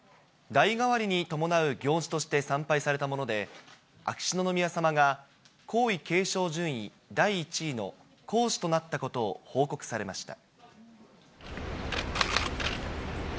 代替わりに伴う行事として参拝されたもので、秋篠宮さまが皇位継承順位第１位の皇嗣となったことを報告されました。